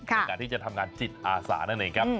ในการที่จะทำงานจิตอาสานั่นเองครับ